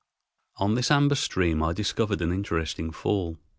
On this amber stream I discovered an interesting fall.